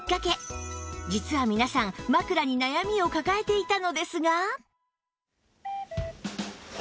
実は皆さん枕に悩みを抱えていたのですが